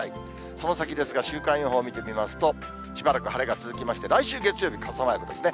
その先ですが、週間予報見てみますと、しばらく晴れが続きまして、来週月曜日、傘マークですね。